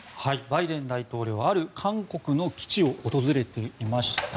バイデン大統領はある韓国の基地を訪れていました。